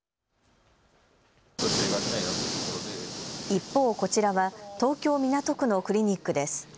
一方、こちらは東京・港区のクリニックです。